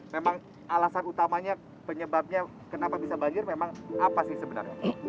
memang alasan utamanya penyebabnya kenapa bisa banjir memang apa sih sebenarnya